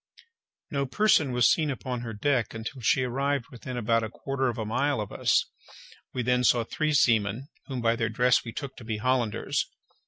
No person was seen upon her decks until she arrived within about a quarter of a mile of us. We then saw three seamen, whom by their dress we took to be Hollanders.